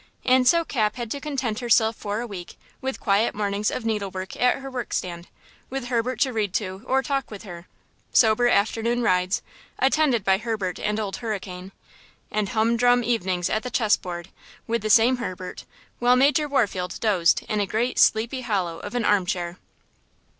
And so Cap had to content herself for a week with quiet mornings of needlework at her workstand, with Herbert to read to or talk with her; sober afternoon rides, attended by Herbert and Old Hurricane; and humdrum evenings at the chess board, with the same Herbert, while Major Warfield dozed in a great "sleepy hollow" of an armchair.